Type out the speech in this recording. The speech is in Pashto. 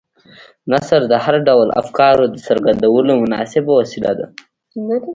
نثر د هر ډول افکارو د څرګندولو مناسبه وسیله ده.